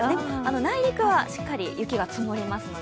内陸はしっかり雪は積もりますので